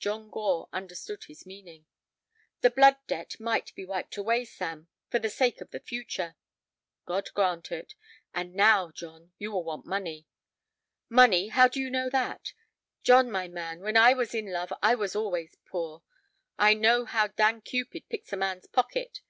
John Gore understood his meaning. "The blood debt might be wiped away, Sam, for the sake of the future." "God grant it. And now, John, you will want money." "Money! How do you know that?" "John, my man, when I was in love I was always poor. I know how Dan Cupid picks a man's pocket.